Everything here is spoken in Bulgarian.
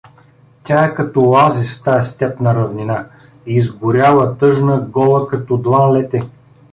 Тя е като оазис в тая степна равнина, изгоряла, тъжна, гола като длан лете.